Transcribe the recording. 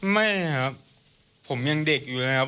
ไม่ครับผมยังเด็กอยู่เลยครับ